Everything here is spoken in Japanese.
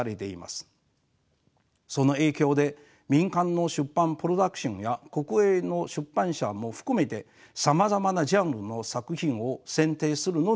その影響で民間の出版プロダクションや国営の出版社も含めてさまざまなジャンルの作品を選定するのに神経を使います。